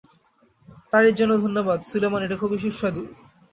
তারির জন্য ধন্যবাদ, সুলেমান এটা খুবই সুস্বাদু।